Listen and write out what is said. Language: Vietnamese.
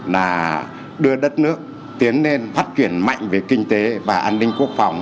là đưa đất nước tiến lên phát triển mạnh về kinh tế và an ninh quốc phòng